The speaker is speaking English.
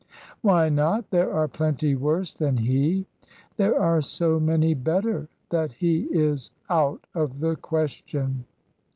"Why not? There are plenty worse than he." "There are so many better, that he is out of the question."